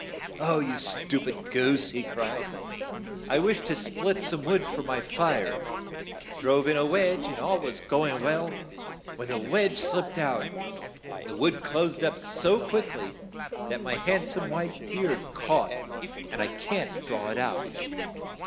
'You stu pid goose!" he cried. "I wished to split some wood for my fire. I drove in a wedge, and all was go ing on well, when the wedge slipped out, and the wood closed up so quick ly that my hand some white beard caught, and I can't draw it out.